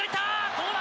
どうだ？